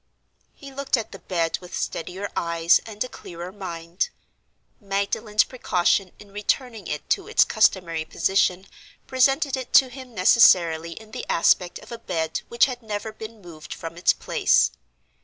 He looked at the bed with steadier eyes and a clearer mind. Magdalen's precaution in returning it to its customary position presented it to him necessarily in the aspect of a bed which had never been moved from its place.